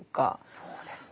そうですね。